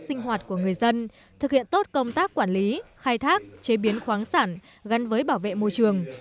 sinh hoạt của người dân thực hiện tốt công tác quản lý khai thác chế biến khoáng sản gắn với bảo vệ môi trường